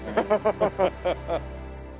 ハハハハハ。